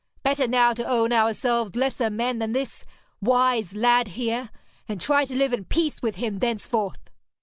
Better now to own ourselves lesser men than this wise lad here, and try to live in peace with him henceforth.'